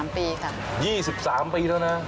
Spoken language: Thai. ๒๓ปีครับคะ๒๓ปีเถอะนะ